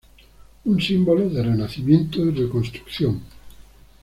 Un símbolo de renacimiento y reconstrucción.